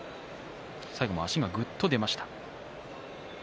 最後、足がぐっと出ました。